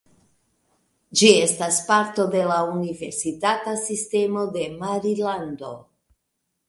Ĝi estas parto de la Universitata Sistemo de Marilando.